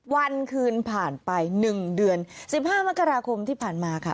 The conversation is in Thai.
วันคืนผ่านไป๑เดือน๑๕มกราคมที่ผ่านมาค่ะ